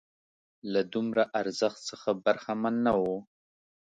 له دومره ارزښت څخه برخمن نه وو.